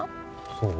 そう？